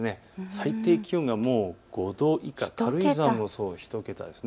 最低気温が５度以下、軽井沢も１桁です。